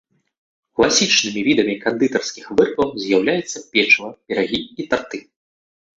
Класічнымі відамі кандытарскіх вырабаў з'яўляюцца печыва, пірагі і тарты.